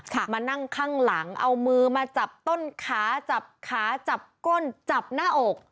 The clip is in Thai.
มานั่งข้างหลังเอามือมาจับต้นขาจับขาจับก้นจับหน้าอก